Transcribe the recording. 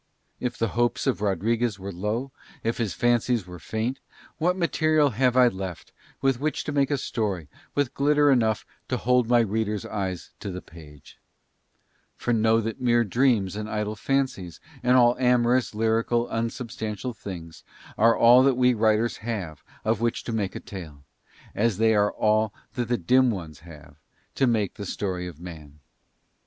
If the hopes of Rodriguez were low, if his fancies were faint, what material have I left with which to make a story with glitter enough to hold my readers' eyes to the page: for know that mere dreams and idle fancies, and all amorous, lyrical, unsubstantial things, are all that we writers have of which to make a tale, as they are all that the Dim Ones have to make the story of man.